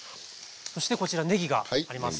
そしてこちらねぎがあります。